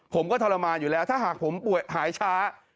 ผมก็ทรมานอยู่แล้วถ้าหากผมหายช้า